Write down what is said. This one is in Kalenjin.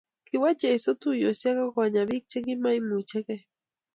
Kiwo Jeso tuyosiek akonyaa biik che kimaimuchikei